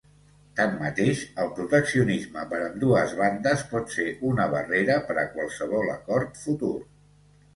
Tanmateix, el proteccionisme per ambdues bandes pot ser una barrera per a qualsevol acord futur.